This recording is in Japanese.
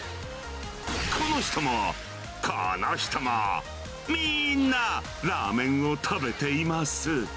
この人も、この人もみんなラーメンを食べています。